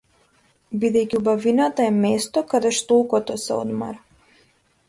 Бидејќи убавината е место каде што окото се одмора.